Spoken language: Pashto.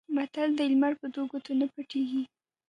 متل دی: لمر په دوو ګوتو نه پټېږي.